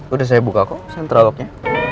udah saya buka kok sentralognya